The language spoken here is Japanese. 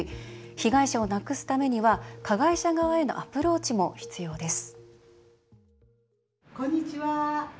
被害者をなくすためには加害者側へのアプローチも必要です。